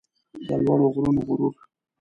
د لوړو غرونو غرور